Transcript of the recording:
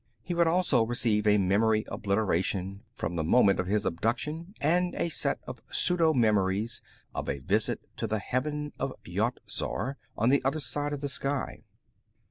He would also receive a memory obliteration from the moment of his abduction, and a set of pseudo memories of a visit to the Heaven of Yat Zar, on the other side of the sky.